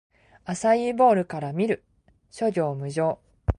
アサイーボウルから見る！諸行無常